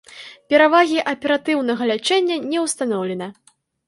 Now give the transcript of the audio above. Перавагі аператыўнага лячэння не ўстаноўлена.